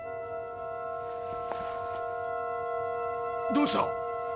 どうした？